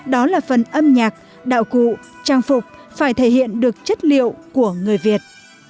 đó là phần âm nhạc đạo cụ trang phục phải thể hiện được chất liệu của người việt